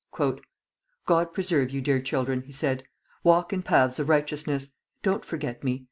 "God preserve you, dear children," he said. "Walk in paths of righteousness. Don't forget me....